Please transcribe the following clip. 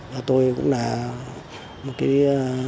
và tôi cũng là một cái